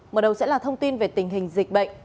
mở đầu sẽ là thông tin về tình hình dịch bệnh